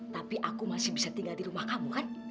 tapi aku masih bisa tinggal di rumah kamu kan